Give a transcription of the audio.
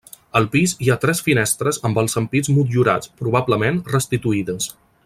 Al pis hi ha tres finestres amb els ampits motllurats, probablement restituïdes.